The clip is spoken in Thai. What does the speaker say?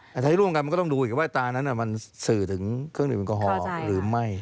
แต่ถ้าที่ร่วมกันก็ต้องดูกันจะจะมันสื่อถึงเครื่องดื่มเองกอธหรือไม่